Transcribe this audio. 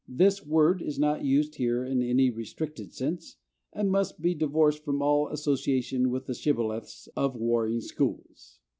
This word is not used here in any restricted sense, and must be divorced from all association with the shibboleths of warring schools.